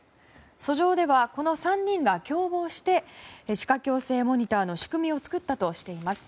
訴状ではこの３人が共謀して歯科矯正モニターの仕組みを作ったとしています。